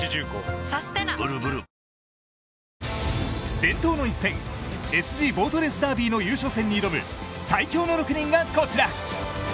伝統の一戦、ＳＧボートレースダービーの優勝戦に挑む最強の６人がこちら。